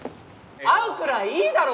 会うくらいいいだろ？